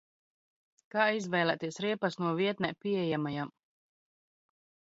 Kā izvēlēties riepas no vietnē pieejamajām?